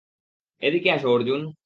এদিকে আসো, অর্জুন।